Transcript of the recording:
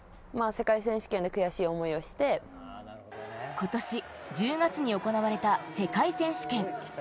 今年１０月に行われた世界選手権。